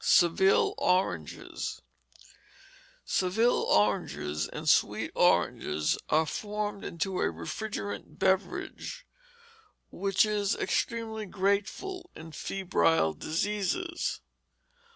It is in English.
Seville Oranges Seville Oranges and sweet oranges are formed into a refrigerant beverage, which is extremely grateful in febrile diseases.